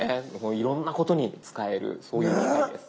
いろんなことに使えるそういう機械です。